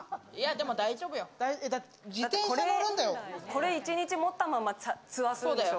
これ、一日持ったままツアーするんでしょ？